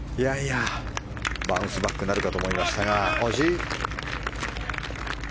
バウンスバックなるかと思いましたが惜しい。